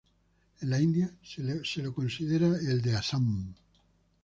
En la India se lo considera el de Assam.